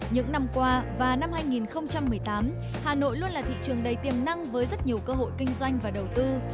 những năm qua và năm hai nghìn một mươi tám hà nội luôn là thị trường đầy tiềm năng với rất nhiều cơ hội kinh doanh và đầu tư